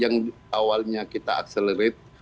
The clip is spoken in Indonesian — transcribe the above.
yang awalnya kita akselerate